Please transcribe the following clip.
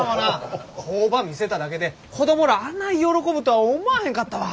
工場見せただけで子供らあない喜ぶとは思わへんかったわ。